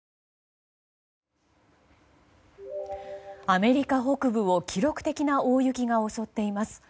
アメリカ北部を記録的な大雪が襲っています。